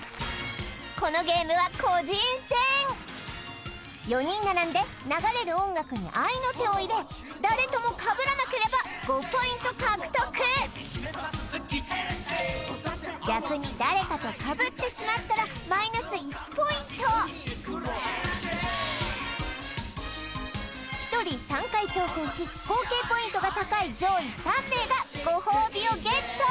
このゲームは個人戦４人並んで流れる音楽に合いの手を入れ誰ともかぶらなければ５ポイント獲得逆に誰かとかぶってしまったらマイナス１ポイント１人３回挑戦し合計ポイントが高い上位３名がごほうびをゲット